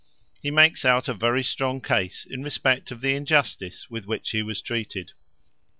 He makes out a very strong case in respect to the injustice with which he was treated.